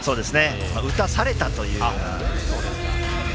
打たされたというような。